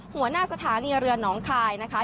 หัวหน้าสถานีเรือหนองคายนะคะ